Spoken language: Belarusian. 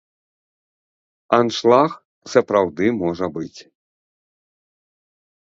Аншлаг сапраўды можа быць.